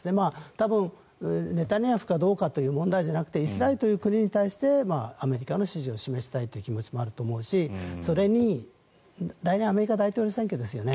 多分、ネタニヤフかどうかという問題じゃなくてイスラエルという国に対してアメリカの支持を示したいという気持ちもあると思うしそれに、来年アメリカ、大統領選挙ですよね。